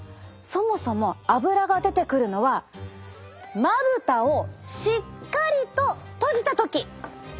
そもそもアブラが出てくるのはまぶたをしっかりと閉じた時。